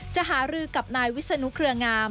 หารือกับนายวิศนุเครืองาม